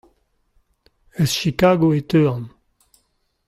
Eus Chigago e teuan.